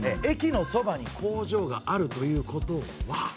駅のそばに工場があるということは。